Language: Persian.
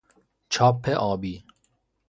چاپ آبی